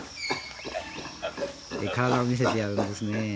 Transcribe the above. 体を見せてやるんですね。